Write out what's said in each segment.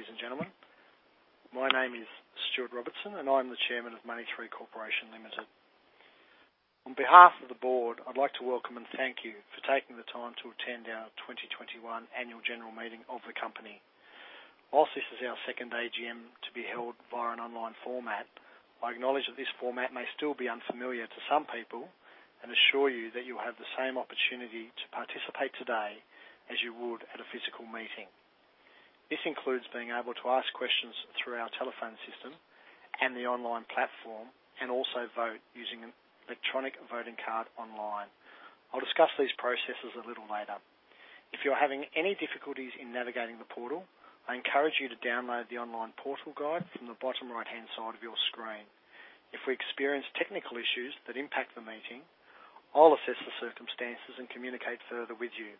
Good morning, ladies and gentlemen. My name is Stuart Robertson, and I'm the Chairman of Money3 Corporation Limited. On behalf of the board, I'd like to welcome and thank you for taking the time to attend our 2021 Annual General Meeting of the Company. While this is our second AGM to be held via an online format, I acknowledge that this format may still be unfamiliar to some people, and assure you that you have the same opportunity to participate today as you would at a physical meeting. This includes being able to ask questions through our telephone system and the online platform, and also vote using an electronic voting card online. I'll discuss these processes a little later. If you're having any difficulties in navigating the portal, I encourage you to download the online portal guide from the bottom right-hand side of your screen. If we experience technical issues that impact the meeting, I'll assess the circumstances and communicate further with you.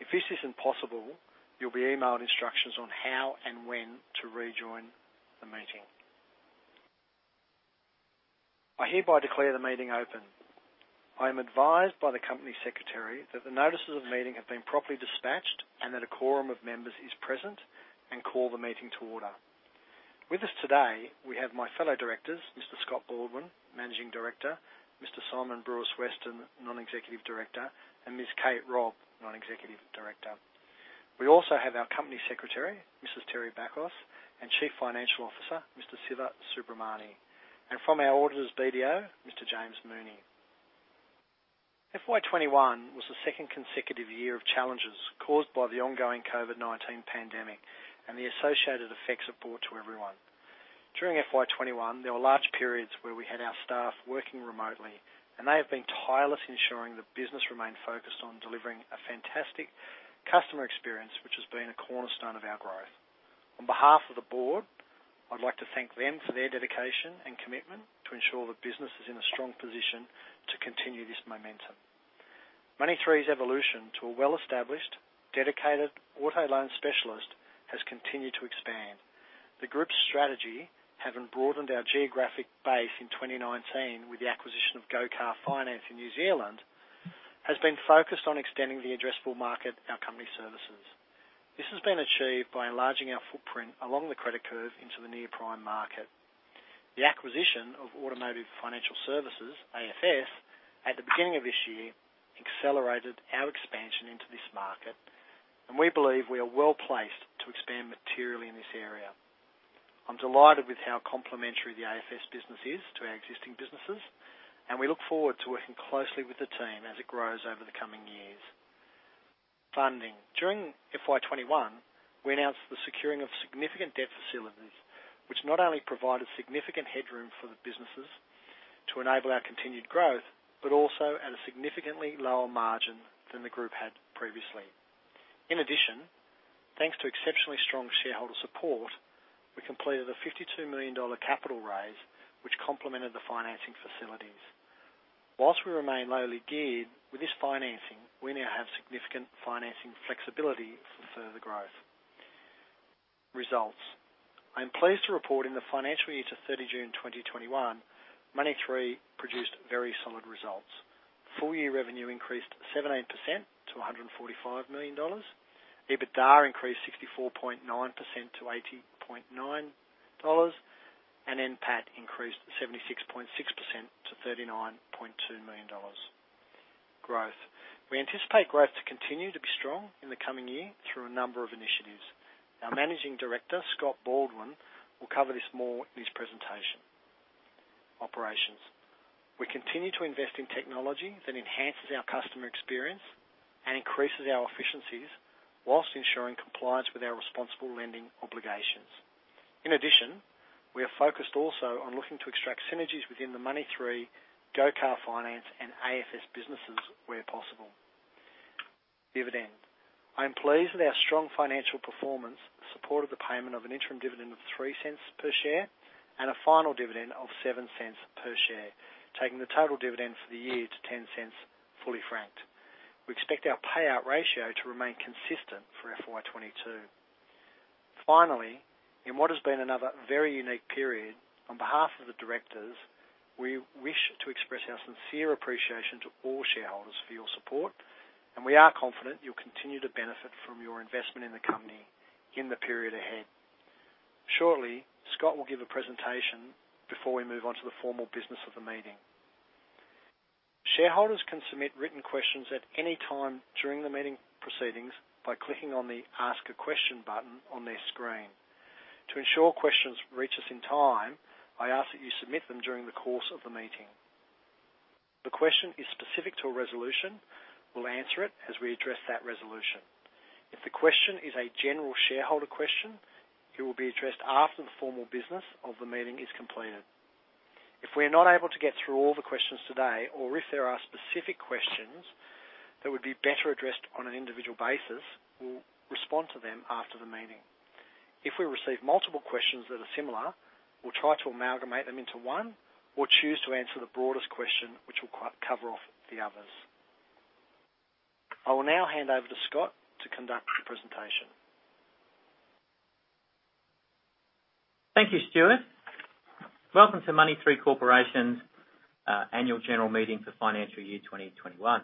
If this isn't possible, you'll be emailed instructions on how and when to rejoin the meeting. I hereby declare the meeting open. I am advised by the company secretary that the notices of the meeting have been properly dispatched and that a quorum of members is present and call the meeting to order. With us today, we have my fellow directors, Mr. Scott Baldwin, Managing Director, Mr. Simon Westaway, Non-Executive Director, and Ms. Kate Robb, Non-Executive Director. We also have our Company Secretary, Mrs. Terri Bakos, and Chief Financial Officer, Mr. Siva Subramani, and from our auditors BDO, Mr. James Mooney. FY 2021 was the second consecutive year of challenges caused by the ongoing COVID-19 pandemic and the associated effects it brought to everyone. During FY 2021, there were large periods where we had our staff working remotely, and they have been tireless ensuring the business remained focused on delivering a fantastic customer experience, which has been a cornerstone of our growth. On behalf of the board, I'd like to thank them for their dedication and commitment to ensure the business is in a strong position to continue this momentum. Money3's evolution to a well-established dedicated auto loan specialist has continued to expand. The group's strategy, having broadened our geographic base in 2019 with the acquisition of Go Car Finance in New Zealand, has been focused on extending the addressable market our company services. This has been achieved by enlarging our footprint along the credit curve into the near-prime market. The acquisition of Automotive Financial Services, AFS, at the beginning of this year accelerated our expansion into this market, and we believe we are well-placed to expand materially in this area. I'm delighted with how complementary the AFS business is to our existing businesses, and we look forward to working closely with the team as it grows over the coming years. Funding. During FY 2021, we announced the securing of significant debt facilities, which not only provided significant headroom for the businesses to enable our continued growth, but also at a significantly lower margin than the group had previously. In addition, thanks to exceptionally strong shareholder support, we completed a 52 million dollar capital raise, which complemented the financing facilities. While we remain lowly geared, with this financing, we now have significant financing flexibility for further growth. Results. I'm pleased to report in the financial year to 30 June 2021, Money3 produced very solid results. Full year revenue increased 17% to 145 million dollars. EBITDA increased 64.9% to 80.9 million dollars, and NPAT increased 76.6% to 39.2 million dollars. Growth. We anticipate growth to continue to be strong in the coming year through a number of initiatives. Our Managing Director, Scott Baldwin, will cover this more in his presentation. Operations. We continue to invest in technology that enhances our customer experience and increases our efficiencies while ensuring compliance with our responsible lending obligations. In addition, we are focused also on looking to extract synergies within the Money3, Go Car Finance, and AFS businesses where possible. Dividend. I am pleased with our strong financial performance, support of the payment of an interim dividend of 0.03 per share and a final dividend of 0.07 per share, taking the total dividend for the year to 0.10 fully franked. We expect our payout ratio to remain consistent for FY 2022. Finally, in what has been another very unique period, on behalf of the directors, we wish to express our sincere appreciation to all shareholders for your support, and we are confident you'll continue to benefit from your investment in the company in the period ahead. Shortly, Scott will give a presentation before we move on to the formal business of the meeting. Shareholders can submit written questions at any time during the meeting proceedings by clicking on the Ask a Question button on their screen. To ensure questions reach us in time, I ask that you submit them during the course of the meeting. If the question is specific to a resolution, we'll answer it as we address that resolution. If the question is a general shareholder question, it will be addressed after the formal business of the meeting is completed. If we're not able to get through all the questions today, or if there are specific questions that would be better addressed on an individual basis, we'll respond to them after the meeting. If we receive multiple questions that are similar, we'll try to amalgamate them into one or choose to answer the broadest question, which will cover off the others. I will now hand over to Scott to conduct his presentation. Thank you, Stuart. Welcome to Money3 Corporation's annual general meeting for financial year 2021.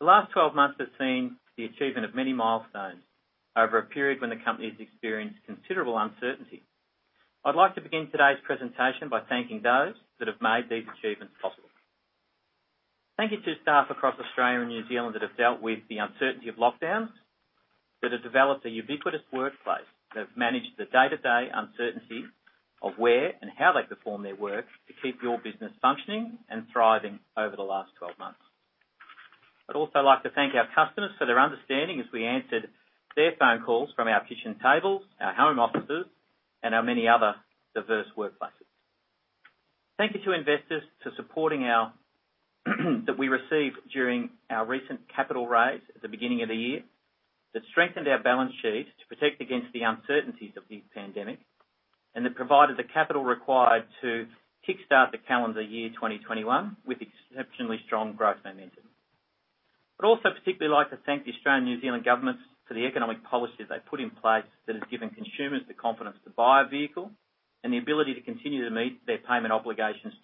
The last 12 months have seen the achievement of many milestones over a period when the company's experienced considerable uncertainty. I'd like to begin today's presentation by thanking those that have made these achievements possible. Thank you to staff across Australia and New Zealand that have dealt with the uncertainty of lockdowns, that have developed a ubiquitous workplace, that have managed the day-to-day uncertainty of where and how they perform their work to keep your business functioning and thriving over the last 12 months. I'd also like to thank our customers for their understanding as we answered their phone calls from our kitchen tables, our home offices, and our many other diverse workplaces. Thank you to investors for the support that we received during our recent capital raise at the beginning of the year. That strengthened our balance sheets to protect against the uncertainties of the pandemic, and that provided the capital required to kickstart the calendar year 2021 with exceptionally strong growth momentum. I'd also particularly like to thank the Australian, New Zealand governments for the economic policies they've put in place that has given consumers the confidence to buy a vehicle and the ability to continue to meet their payment obligations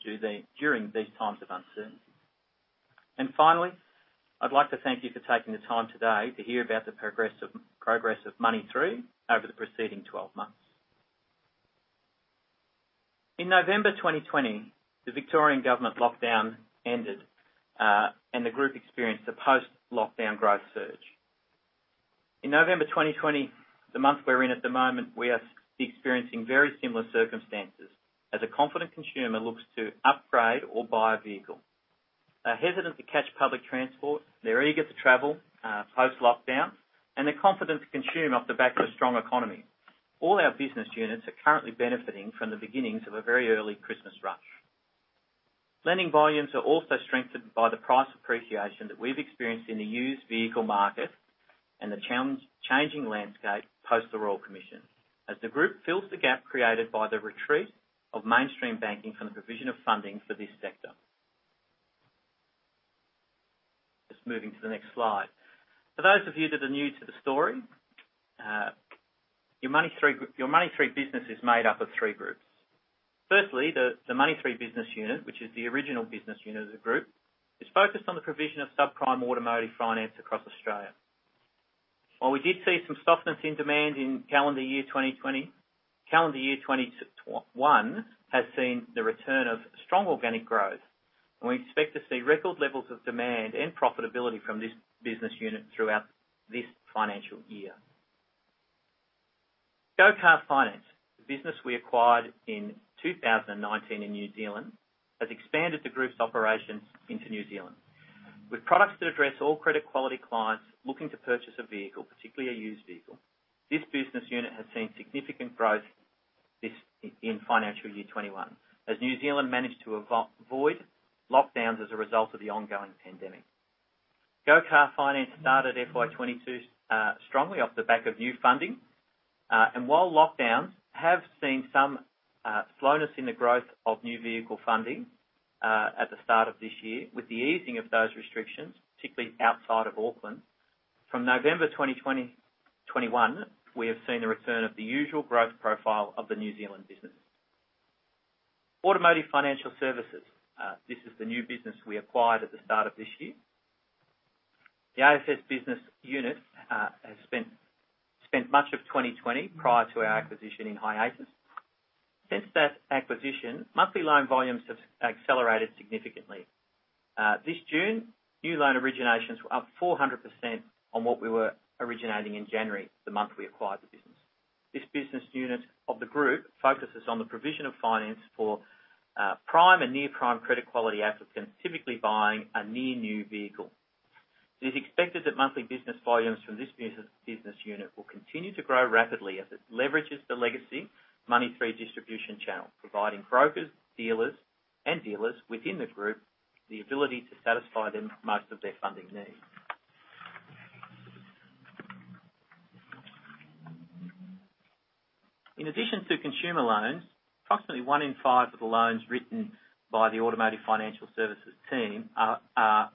during these times of uncertainty. Finally, I'd like to thank you for taking the time today to hear about the progress of Money3 over the preceding 12 months. In November 2020, the Victorian government lockdown ended, and the group experienced a post-lockdown growth surge. In November 2020, the month we're in at the moment, we are experiencing very similar circumstances as a confident consumer looks to upgrade or buy a vehicle. They're hesitant to catch public transport, they're eager to travel, post-lockdown, and they're confident to consume off the back of a strong economy. All our business units are currently benefiting from the beginnings of a very early Christmas rush. Lending volumes are also strengthened by the price appreciation that we've experienced in the used vehicle market and the changing landscape post the Royal Commission, as the group fills the gap created by the retreat of mainstream banking from the provision of funding for this sector. Just moving to the next slide. For those of you that are new to the story, your Money3 business is made up of three groups. Firstly, the Money3 business unit, which is the original business unit of the group, is focused on the provision of subprime automotive finance across Australia. While we did see some softness in demand in calendar year 2020, calendar year 2021 has seen the return of strong organic growth, and we expect to see record levels of demand and profitability from this business unit throughout this financial year. Go Car Finance, the business we acquired in 2019 in New Zealand, has expanded the group's operations into New Zealand. With products that address all credit quality clients looking to purchase a vehicle, particularly a used vehicle, this business unit has seen significant growth in financial year 2021, as New Zealand managed to avoid lockdowns as a result of the ongoing pandemic. Go Car Finance started FY 2022 strongly off the back of new funding. While lockdowns have seen some slowness in the growth of new vehicle funding at the start of this year, with the easing of those restrictions, particularly outside of Auckland, from November 2021, we have seen the return of the usual growth profile of the New Zealand business. Automotive Financial Services, this is the new business we acquired at the start of this year. The AFS business unit has spent much of 2020 prior to our acquisition in hiatus. Since that acquisition, monthly loan volumes have accelerated significantly. This June, new loan originations were up 400% on what we were originating in January, the month we acquired the business. This business unit of the group focuses on the provision of finance for prime and near-prime credit quality applicants, typically buying a near-new vehicle. It is expected that monthly business volumes from this business unit will continue to grow rapidly as it leverages the legacy Money3 distribution channel, providing brokers and dealers within the group, the ability to satisfy most of their funding needs. In addition to consumer loans, approximately one in five of the loans written by the Automotive Financial Services team are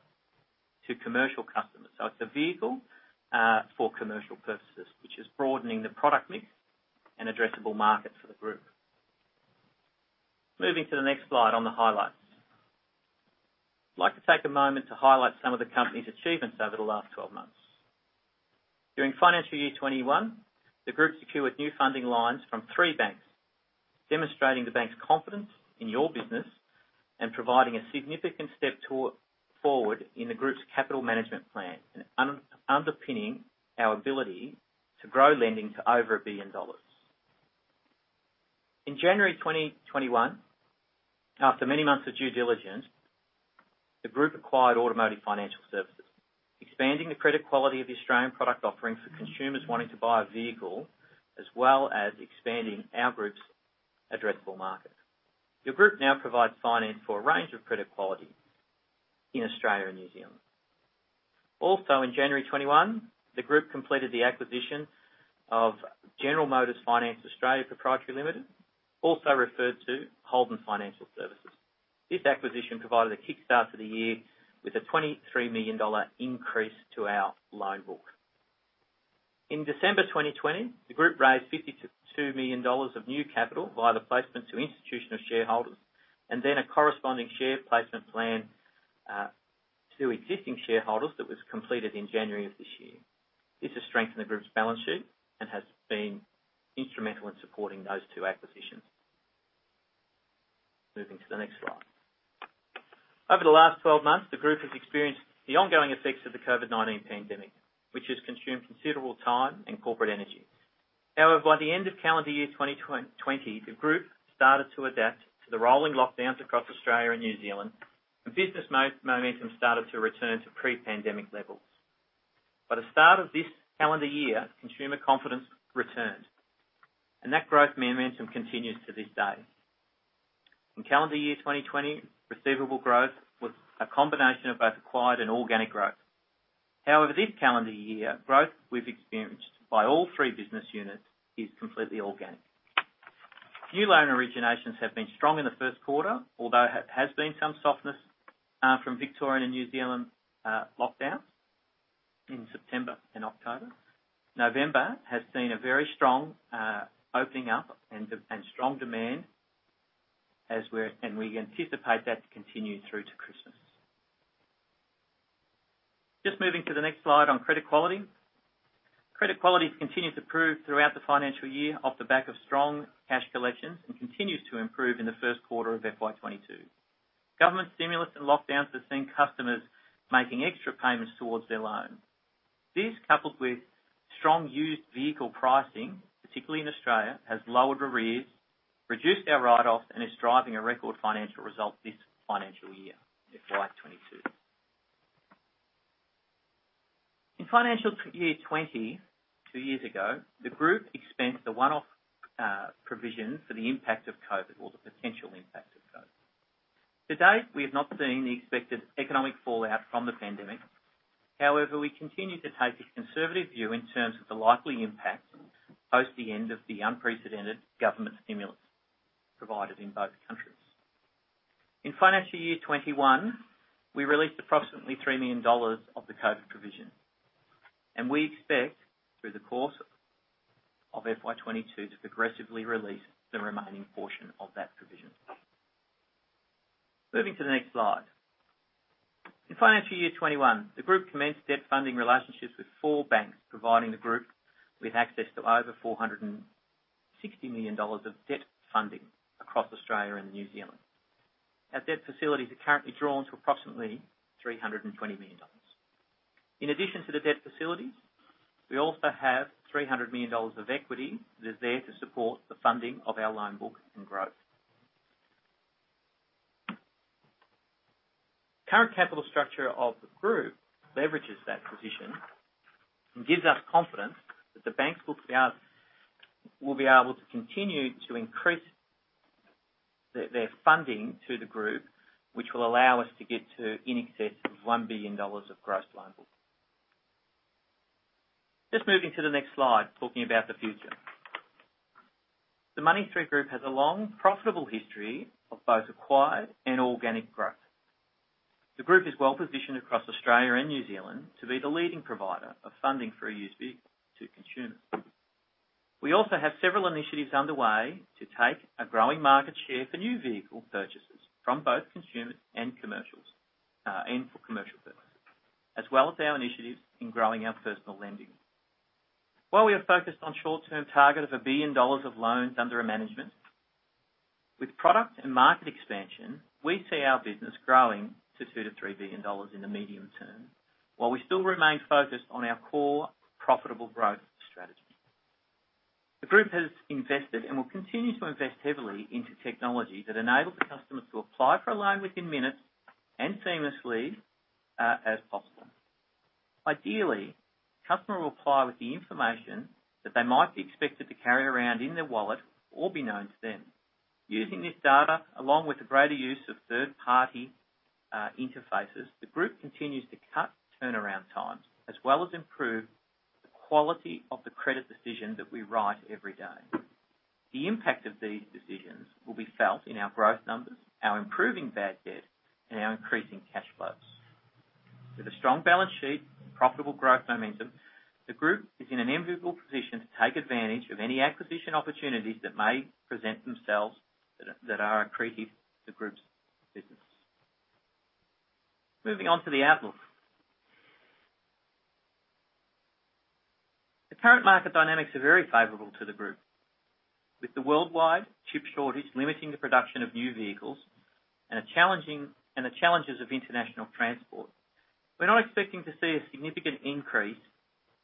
to commercial customers. So it's a vehicle for commercial purposes, which is broadening the product mix and addressable market for the group. Moving to the next slide on the highlights. I'd like to take a moment to highlight some of the company's achievements over the last 12 months. During financial year 2021, the group secured new funding lines from three banks, demonstrating the bank's confidence in your business and providing a significant step forward in the group's capital management plan and underpinning our ability to grow lending to over 1 billion dollars. In January 2021, after many months of due diligence, the group acquired Automotive Financial Services, expanding the credit quality of the Australian product offerings for consumers wanting to buy a vehicle, as well as expanding our group's addressable market. The group now provides finance for a range of credit quality in Australia and New Zealand. Also, in January 2021, the group completed the acquisition of General Motors Finance Australia Pty Limited, also referred to Holden Financial Services. This acquisition provided a kickstart to the year with an 23 million dollar increase to our loan book. In December 2020, the group raised 52 million dollars of new capital via the placement to institutional shareholders, and then a corresponding share placement plan to existing shareholders that was completed in January of this year. This has strengthened the group's balance sheet and has been instrumental in supporting those two acquisitions. Moving to the next slide. Over the last 12 months, the group has experienced the ongoing effects of the COVID-19 pandemic, which has consumed considerable time and corporate energy. However, by the end of calendar year 2020, the group started to adapt to the rolling lockdowns across Australia and New Zealand, and business momentum started to return to pre-pandemic levels. By the start of this calendar year, consumer confidence returned, and that growth momentum continues to this day. In calendar year 2020, receivable growth was a combination of both acquired and organic growth. However, this calendar year, growth we've experienced by all three business units is completely organic. New loan originations have been strong in the Q1, although has been some softness from Victoria and New Zealand lockdowns in September and October. November has seen a very strong opening up and strong demand and we anticipate that to continue through to Christmas. Just moving to the next slide on credit quality. Credit quality has continued to improve throughout the financial year off the back of strong cash collections, and continues to improve in the Q1 of FY 2022. Government stimulus and lockdowns have seen customers making extra payments towards their loan. This, coupled with strong used vehicle pricing, particularly in Australia, has lowered arrears, reduced our write-offs, and is driving a record financial result this financial year, FY 2022. In FY 2020, two years ago, the group expensed a one-off provision for the impact of COVID or the potential impact of COVID. To date, we have not seen the expected economic fallout from the pandemic. However, we continue to take a conservative view in terms of the likely impact post the end of the unprecedented government stimulus provided in both countries. In FY 2021, we released approximately 3 million dollars of the COVID provision, and we expect through the course of FY 2022 to progressively release the remaining portion of that provision. Moving to the next slide. In FY 2021, the group commenced debt funding relationships with 4 banks, providing the group with access to over 460 million dollars of debt funding across Australia and New Zealand. Our debt facilities are currently drawn to approximately 320 million dollars. In addition to the debt facilities, we also have 300 million dollars of equity that is there to support the funding of our loan book and growth. Current capital structure of the group leverages that position and gives us confidence that the banks will be able to continue to increase their funding to the group, which will allow us to get to in excess of 1 billion dollars of gross loan book. Just moving to the next slide, talking about the future. The Money3 group has a long, profitable history of both acquired and organic growth. The group is well-positioned across Australia and New Zealand to be the leading provider of funding for a used vehicles to consumers. We also have several initiatives underway to take a growing market share for new vehicle purchases from both consumers and commercials, and for commercial purposes, as well as our initiatives in growing our personal lending. While we are focused on short-term target of 1 billion dollars of loans under our management, with product and market expansion, we see our business growing to 2 billion-3 billion dollars in the medium term, while we still remain focused on our core profitable growth strategy. The group has invested and will continue to invest heavily into technology that enables the customers to apply for a loan within minutes and seamlessly as possible. Ideally, customer will apply with the information that they might be expected to carry around in their wallet or be known to them. Using this data, along with the greater use of third-party interfaces, the group continues to cut turnaround times, as well as improve the quality of the credit decision that we write every day. The impact of these decisions will be felt in our growth numbers, our improving bad debt, and our increasing cash flows. With a strong balance sheet and profitable growth momentum, the group is in an enviable position to take advantage of any acquisition opportunities that may present themselves that are accretive to group's business. Moving on to the outlook. The current market dynamics are very favorable to the group. With the worldwide chip shortage limiting the production of new vehicles and the challenges of international transport, we're not expecting to see a significant increase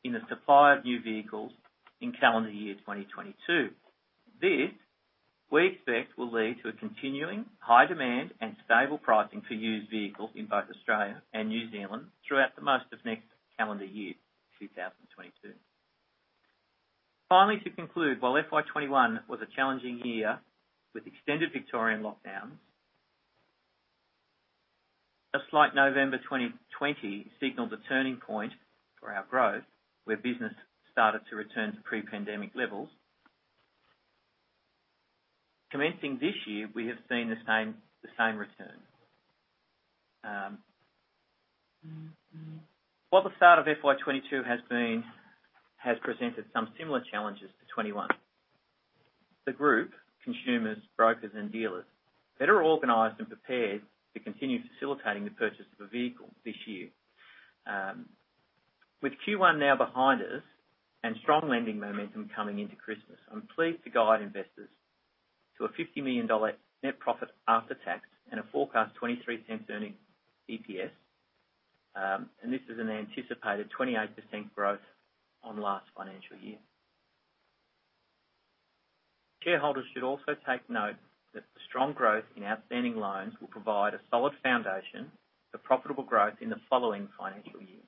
in the supply of new vehicles in calendar year 2022. This, we expect, will lead to a continuing high demand and stable pricing for used vehicles in both Australia and New Zealand throughout most of next calendar year, 2022. Finally, to conclude, while FY 2021 was a challenging year with extended Victorian lockdowns. Just like November 2020 signaled the turning point for our growth, where business started to return to pre-pandemic levels. Commencing this year, we have seen the same return. While the start of FY 2022 has presented some similar challenges to 2021, the group, consumers, brokers, and dealers, better organized and prepared to continue facilitating the purchase of a vehicle this year. With Q1 now behind us and strong lending momentum coming into Christmas, I'm pleased to guide investors to a 50 million dollar net profit after tax and a forecast 23-cent EPS. This is an anticipated 28% growth on last financial year. Shareholders should also take note that the strong growth in outstanding loans will provide a solid foundation for profitable growth in the following financial year.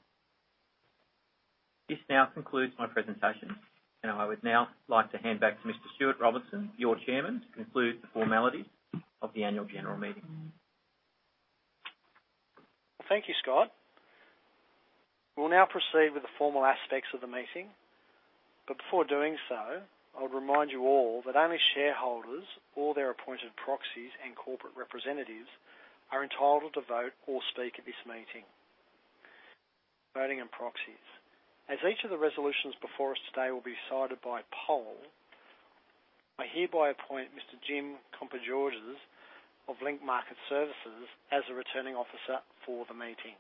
This now concludes my presentation, and I would now like to hand back to Mr. Stuart Robertson, your Chairman, to conclude the formalities of the annual general meeting. Thank you, Scott. We'll now proceed with the formal aspects of the meeting. Before doing so, I would remind you all that only shareholders or their appointed proxies and corporate representatives are entitled to vote or speak at this meeting. Voting and proxies. As each of the resolutions before us today will be decided by poll, I hereby appoint Mr. Jim Kompogiorgas of Link Market Services as the Returning Officer for the meeting.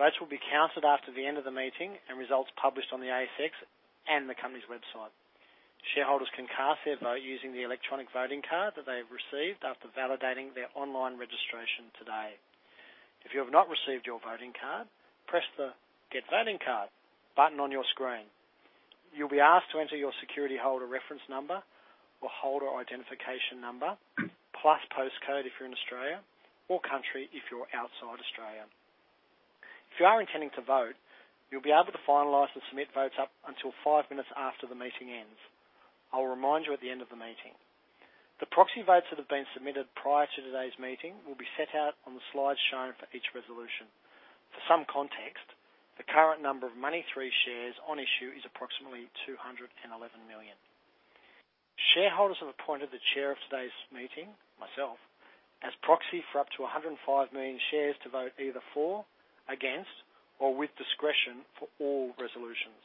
Votes will be counted after the end of the meeting and results published on the ASX and the company's website. Shareholders can cast their vote using the electronic voting card that they received after validating their online registration today. If you have not received your voting card, press the Get Voting Card button on your screen. You'll be asked to enter your security holder reference number or holder identification number, plus postcode if you're in Australia or country if you're outside Australia. If you are intending to vote, you'll be able to finalize and submit votes up until five minutes after the meeting ends. I will remind you at the end of the meeting. The proxy votes that have been submitted prior to today's meeting will be set out on the slides shown for each resolution. For some context, the current number of Money3 shares on issue is approximately 211 million. Shareholders have appointed the chair of today's meeting, myself, as proxy for up to 105 million shares to vote either for, against, or with discretion for all resolutions.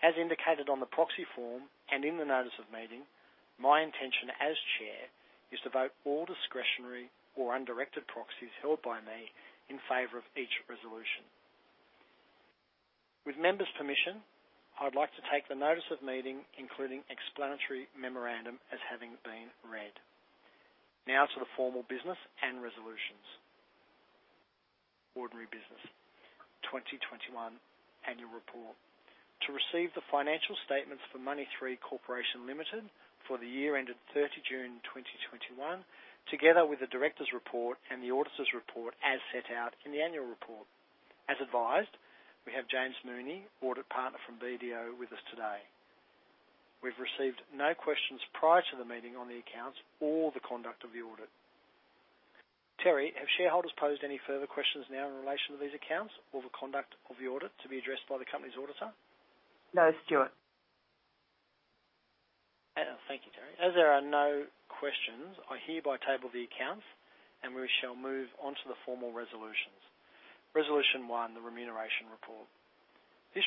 As indicated on the proxy form and in the notice of meeting, my intention as Chair is to vote all discretionary or undirected proxies held by me in favor of each resolution. With members' permission, I would like to take the notice of meeting, including explanatory memorandum, as having been read. Now to the formal business and resolutions. Ordinary business. 2021 annual report. To receive the financial statements for Money3 Corporation Limited for the year ended 30 June 2021, together with the directors' report and the auditors' report as set out in the annual report. As advised, we have James Mooney, Audit Partner from BDO, with us today. We've received no questions prior to the meeting on the accounts or the conduct of the audit. Terri, have shareholders posed any further questions now in relation to these accounts or the conduct of the audit to be addressed by the company's auditor? No, Stuart. Thank you, Terri. As there are no questions, I hereby table the accounts, and we shall move on to the formal resolutions. Resolution 1, the remuneration report. This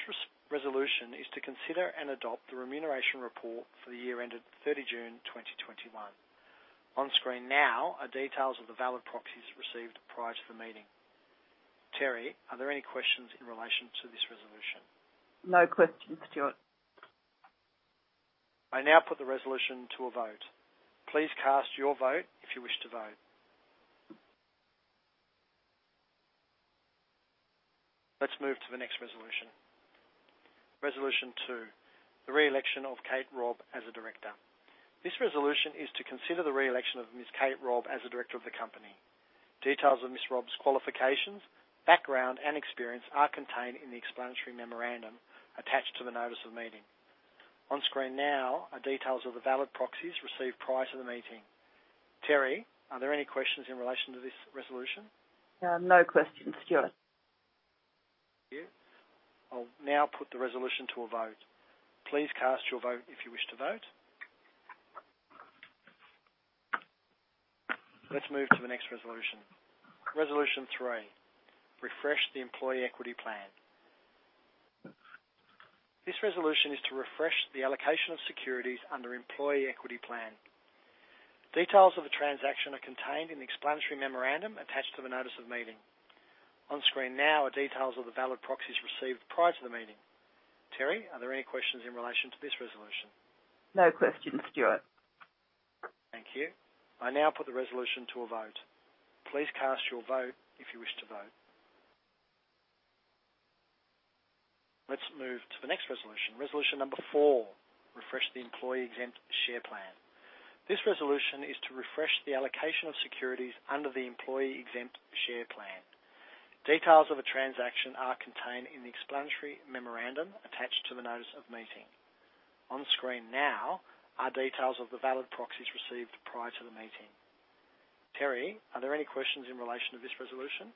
resolution is to consider and adopt the remuneration report for the year ended 30 June 2021. On screen now are details of the valid proxies received prior to the meeting. Terri, are there any questions in relation to this resolution? No questions, Stuart. I now put the resolution to a vote. Please cast your vote if you wish to vote. Let's move to the next resolution. Resolution 2, the reelection of Kate Robb as a director. This resolution is to consider the reelection of Ms. Kate Robb as a director of the company. Details of Ms. Robb's qualifications, background, and experience are contained in the explanatory memorandum attached to the notice of meeting. On screen now are details of the valid proxies received prior to the meeting. Terri, are there any questions in relation to this resolution? No questions, Stuart. Thank you. I'll now put the resolution to a vote. Please cast your vote if you wish to vote. Let's move to the next resolution. Resolution 3, refresh the Employee Equity Plan. This resolution is to refresh the allocation of securities under Employee Equity Plan. Details of the transaction are contained in the explanatory memorandum attached to the notice of meeting. On screen now are details of the valid proxies received prior to the meeting. Terri, are there any questions in relation to this resolution? No questions, Stuart. Thank you. I now put the resolution to a vote. Please cast your vote if you wish to vote. Let's move to the next resolution. Resolution 4, refresh the Employee Exempt Share Plan. This resolution is to refresh the allocation of securities under the Employee Exempt Share Plan. Details of a transaction are contained in the explanatory memorandum attached to the notice of meeting. On screen now are details of the valid proxies received prior to the meeting. Terri, are there any questions in relation to this resolution?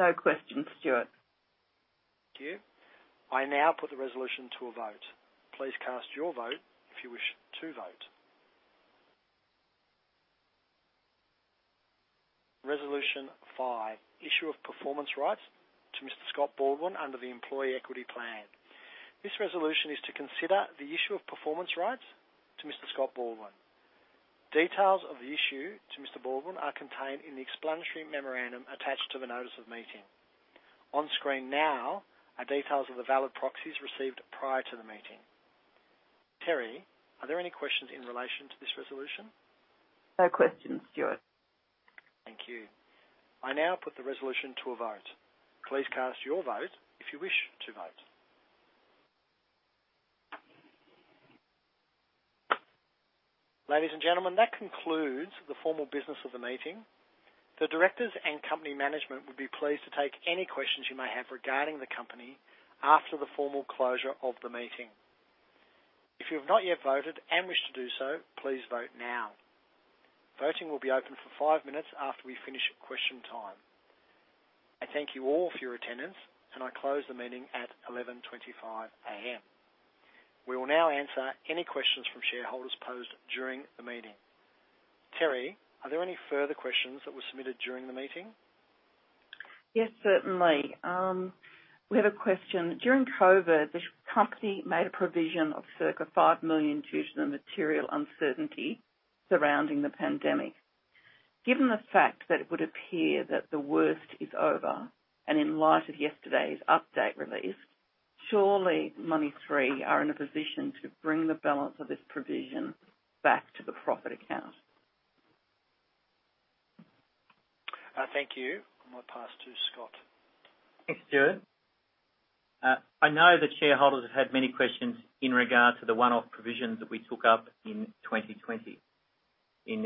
No questions, Stuart. Thank you. I now put the resolution to a vote. Please cast your vote if you wish to vote. Resolution 5, issue of Performance Rights to Mr. Scott Baldwin under the Employee Equity Plan. This resolution is to consider the issue of Performance Rights to Mr. Scott Baldwin. Details of the issue to Mr. Baldwin are contained in the explanatory memorandum attached to the notice of meeting. On screen now are details of the valid proxies received prior to the meeting. Terri, are there any questions in relation to this resolution? No questions, Stuart. Thank you. I now put the resolution to a vote. Please cast your vote if you wish to vote. Ladies and gentlemen, that concludes the formal business of the meeting. The directors and company management would be pleased to take any questions you may have regarding the company after the formal closure of the meeting. If you have not yet voted and wish to do so, please vote now. Voting will be open for five minutes after we finish question time. I thank you all for your attendance, and I close the meeting at 11:25A.M. We will now answer any questions from shareholders posed during the meeting. Terri, are there any further questions that were submitted during the meeting? Yes, certainly. We have a question. During COVID-19, the company made a provision of circa 5 million due to the material uncertainty surrounding the pandemic. Given the fact that it would appear that the worst is over, and in light of yesterday's update release, surely Money3 are in a position to bring the balance of this provision back to the profit account. Thank you. I'll pass to Scott. Thanks, Stuart. I know that shareholders have had many questions in regards to the one-off provisions that we took up in 2020. In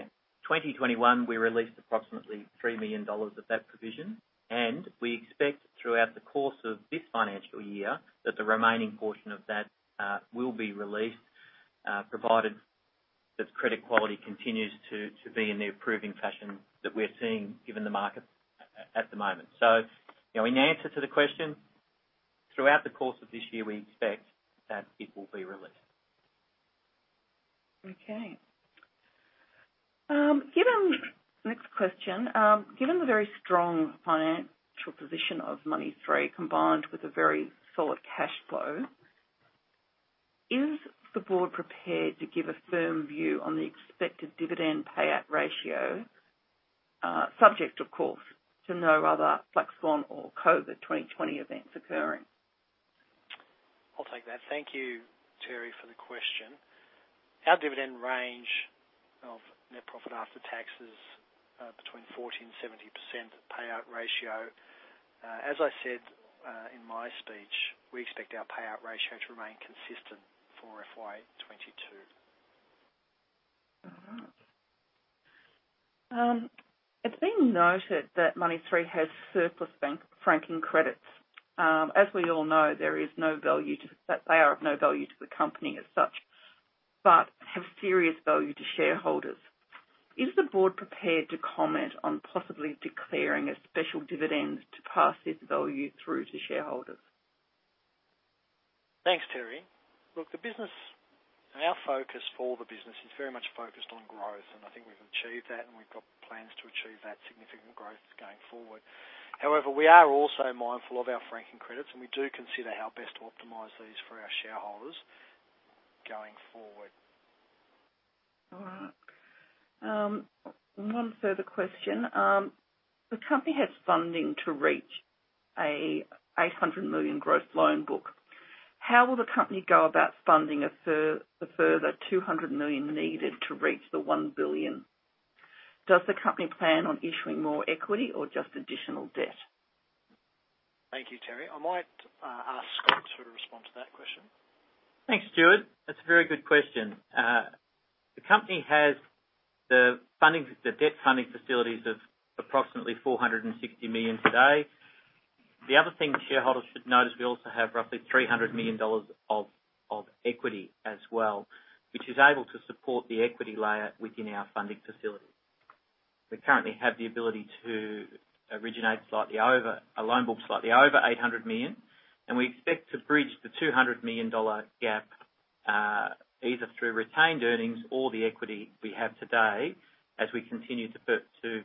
2021, we released approximately 3 million dollars of that provision, and we expect throughout the course of this financial year that the remaining portion of that will be released provided that credit quality continues to be in the improving fashion that we're seeing given the market at the moment. You know, in answer to the question, throughout the course of this year, we expect that it will be released. Given the very strong financial position of Money3, combined with a very solid cash flow, is the board prepared to give a firm view on the expected dividend payout ratio? Subject, of course, to no other black swan or COVID 2020 events occurring. I'll take that. Thank you, Terri, for the question. Our dividend range of net profit after taxes, between 40% and 70% payout ratio. As I said, in my speech, we expect our payout ratio to remain consistent for FY 2022. It's been noted that Money3 has surplus franking credits. As we all know, they are of no value to the company as such, but have serious value to shareholders. Is the board prepared to comment on possibly declaring a special dividend to pass this value through to shareholders? Thanks, Terri. Look, the business and our focus for the business is very much focused on growth, and I think we've achieved that, and we've got plans to achieve that significant growth going forward. However, we are also mindful of our franking credits, and we do consider how best to optimize these for our shareholders going forward. All right. One further question. The company has funding to reach an 800 million growth loan book. How will the company go about funding a further 200 million needed to reach the 1 billion? Does the company plan on issuing more equity or just additional debt? Thank you, Terri. I might ask Scott to respond to that question. Thanks, Stuart. That's a very good question. The company has the funding, the debt funding facilities of approximately 460 million today. The other thing shareholders should note is we also have roughly 300 million dollars of equity as well, which is able to support the equity layer within our funding facility. We currently have the ability to originate a loan book slightly over 800 million, and we expect to bridge the 200 million dollar gap either through retained earnings or the equity we have today as we continue to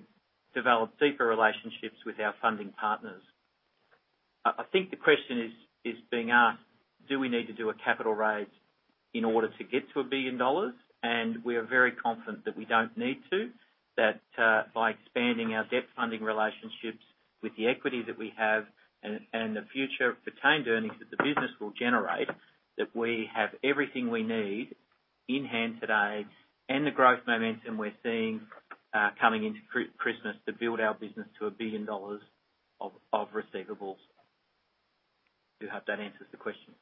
develop deeper relationships with our funding partners. I think the question is being asked, do we need to do a capital raise in order to get to 1 billion dollars? We are very confident that we don't need to. That by expanding our debt funding relationships with the equity that we have and the future retained earnings that the business will generate, that we have everything we need in hand today, and the growth momentum we're seeing coming into Christmas to build our business to 1 billion dollars of receivables. I do hope that answers the question.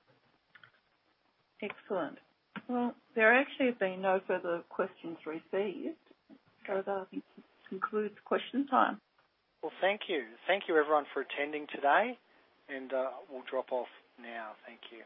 Excellent. Well, there actually have been no further questions received. That concludes question time. Well, thank you. Thank you everyone for attending today, and we'll drop off now. Thank you.